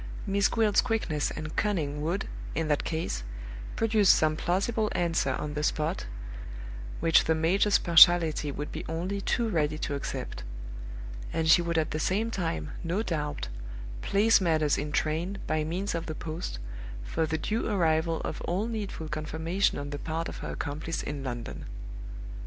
Miss Gwilt's quickness and cunning would, in that case, produce some plausible answer on the spot, which the major's partiality would be only too ready to accept; and she would at the same time, no doubt, place matters in train, by means of the post, for the due arrival of all needful confirmation on the part of her accomplice in London.